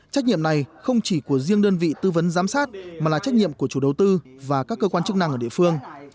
trách nhiệm này không chỉ của riêng đơn vị tư vấn giám sát mà là trách nhiệm của chủ đầu tư và các cơ quan chức năng ở địa phương